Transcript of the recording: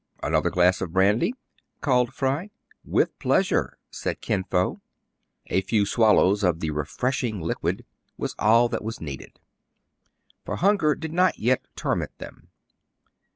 "Another glass of brandy .î*" called Fry. "With pleasure," said Kin Fo. A few swallows of the refreshing liquor was all 2 24 TRIBULATIONS OF A CHINAMAN, that was needed ; for hunger did not yet torment them.